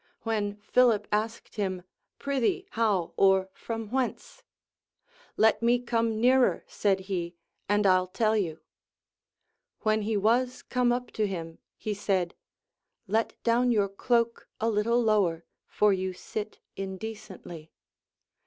When Philip asked him, Prithee, how or from Avhence ? Let me come nearer, said he, and 111 tell you. When he Avas come up to him, he said : Let down your cloak a little lower, for you sit indecently.